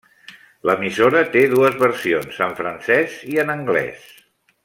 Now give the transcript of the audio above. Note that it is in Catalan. L'emissora té dues versions: en francès i en anglès.